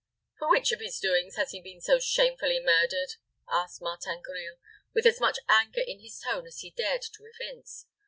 "For which of his doings has he been so shamefully murdered?" asked Martin Grille, with as much anger in his tone as he dared to evince.